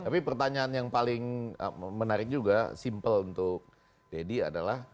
tapi pertanyaan yang paling menarik juga simple untuk deddy adalah